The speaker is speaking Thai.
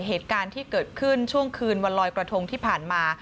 เหตุการณ์ที่เกิดขึ้นช่วงคืนวันลอยกระทงที่ผ่านมา